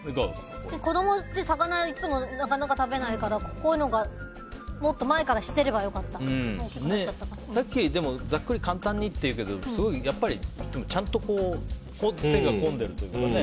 子供って、いつも魚なかなか食べないからこういうのをもっと前からさっきざっくり簡単にと言うけどちゃんと手が込んでいるというか。